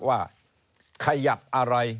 ว่าขยับอะไร